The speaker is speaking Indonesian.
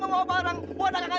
selamat siang bapak amir